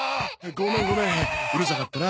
ごめんごめんうるさかったな。